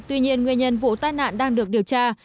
tuy nhiên nguyên nhân vụ tai nạn đang được điều tra